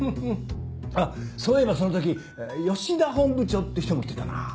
あっそういえばその時吉田本部長って人も来てたなぁ。